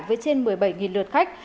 với trên một mươi bảy lượt khách